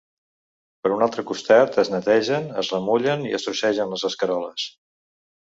Per un altre costat, es netegen, es remullen i es trossegen les escaroles.